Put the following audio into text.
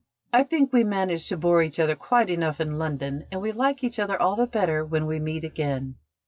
"I think we manage to bore each other quite enough in London, and we like each other all the better when we meet again."